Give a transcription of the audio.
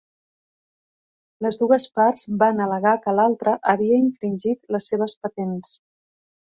Les dues parts van al·legar que l'altra havia infringit les seves patents.